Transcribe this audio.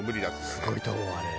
すごいと思うあれ。